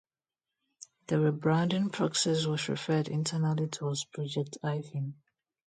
The rebranding process was referred internally to as Project Hyphen.